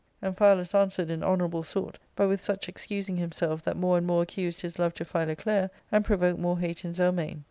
Amphialus answered in honourable sort, but with such excusing himself that more and more accused his love to Philoclea, and provoked more hate in Zelmane.